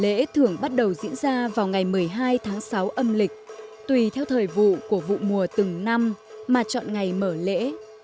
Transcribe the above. lễ thường bắt đầu diễn ra vào ngày một mươi hai tháng sáu âm lịch tùy theo thời vụ của vụ mùa từng năm mà chọn ngày mở lễ